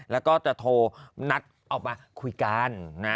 แล้วก็จะโทรนัดออกมาคุยกันนะ